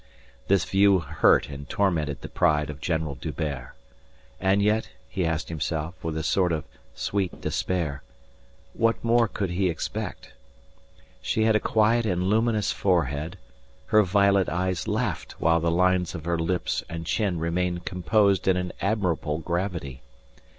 This view hurt and tormented the pride of General D'Hubert. And yet, he asked himself with a sort of sweet despair, What more could he expect? She had a quiet and luminous forehead; her violet eyes laughed while the lines of her lips and chin remained composed in an admirable gravity.